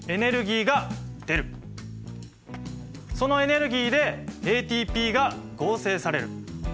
そのエネルギーでＡＴＰが合成される。